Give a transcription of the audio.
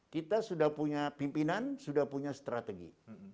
kita sudah punya pimpinan sudah punya strategi